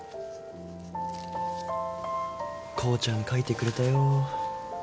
孝ちゃん描いてくれたよ。